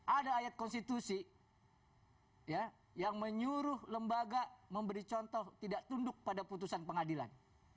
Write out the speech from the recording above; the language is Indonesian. ada ayat konstitusi yang menyuruh lembaga memberi contoh tidak tunduk pada putusan pengadilan